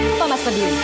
apa mas peduli